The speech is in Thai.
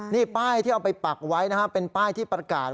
นี่ป้ายที่เอาไปปักไว้นะครับเป็นป้ายที่ประกาศ